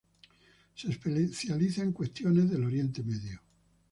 Se especializa en cuestiones del Oriente Medio.